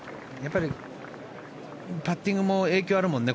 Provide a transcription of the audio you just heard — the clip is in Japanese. パッティングにも影響があるもんね